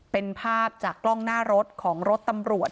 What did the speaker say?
เป็นภาพจากกล้องหน้ารถของรถตำรวจ